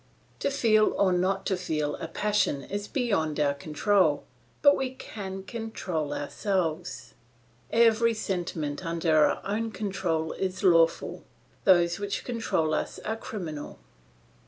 To feel or not to feel a passion is beyond our control, but we can control ourselves. Every sentiment under our own control is lawful; those which control us are criminal.